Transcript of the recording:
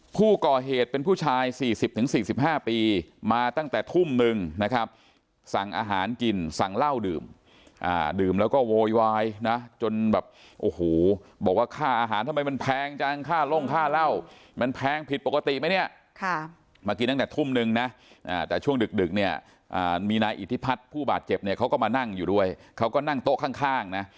ผู้ก่อเหตุเป็นผู้ชาย๔๐๔๕ปีมาตั้งแต่ทุ่มนึงนะครับสั่งอาหารกินสั่งเหล้าดื่มดื่มแล้วก็โวยวายนะจนแบบโอ้โหบอกว่าค่าอาหารทำไมมันแพงจังค่าลงค่าเหล้ามันแพงผิดปกติไหมเนี่ยมากินตั้งแต่ทุ่มนึงนะแต่ช่วงดึกเนี่ยมีนายอิทธิพัฒน์ผู้บาดเจ็บเนี่ยเขาก็มานั่งอยู่ด้วยเขาก็นั่งโต๊ะข้างนะ